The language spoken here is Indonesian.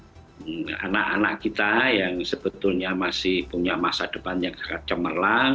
dan juga karena ada banyak anak anak kita yang sebetulnya masih punya masa depannya kecemerlang